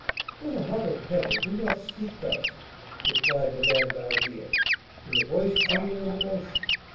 "For the love of heaven, do not speak thus!" replied Madame d'Harville, in a voice trembling with emotion.